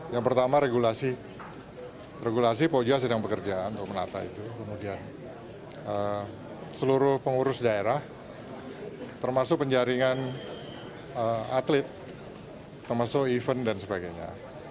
yang pertama regulasi pojok sedang bekerjaan seluruh pengurus daerah termasuk penjaringan atlet termasuk event dan sebagainya